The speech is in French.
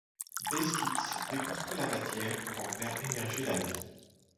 Baselitz déconstruit la matière pour en faire émerger la vie.